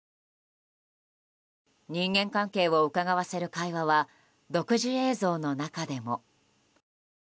人間関係をうかがわせる会話は独自映像の中でも。